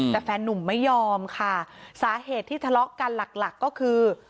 แต่แฟนนุ่มไม่ยอมค่ะสาเหตุที่ทะเลาะกันหลักหลักก็คือ